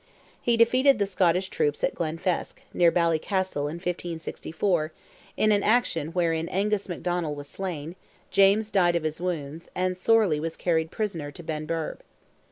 He defeated the Scottish troops at Glenfesk, near Ballycastle, in 1564, in an action wherein Angus McDonald was slain, James died of his wounds, and Sorley was carried prisoner to Benburb.